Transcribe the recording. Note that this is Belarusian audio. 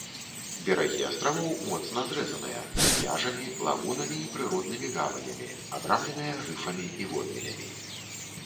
Берагі астравоў моцна зрэзаныя, з пляжамі, лагунамі і прыроднымі гаванямі, абрамленыя рыфамі і водмелямі.